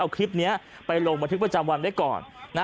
คลิปเนี่ยไปลงบันทึกประจำวันด้วยก่อน